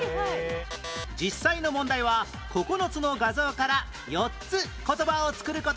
実際の問題は９つの画像から４つ言葉を作る事ができます